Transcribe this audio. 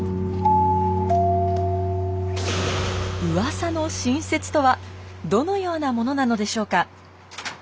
うわさの新説とはどのようなものなのでしょうか？